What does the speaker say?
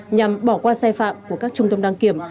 nhằm bỏ qua sai phạm của các trung tâm đăng kiểm